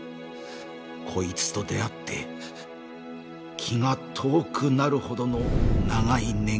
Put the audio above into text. こいつと出会って気が遠くなるほどの長い年月が過ぎた